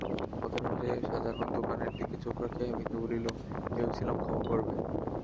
পথের পাশে সাজানো দোকানের দিকে চোখ রাখিয়া বিন্দু বলিল, ভেবেছিলাম ক্ষমা করবে।